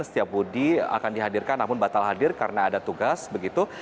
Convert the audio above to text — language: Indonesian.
setia budi akan dihadirkan namun batal hadir karena ada tugas begitu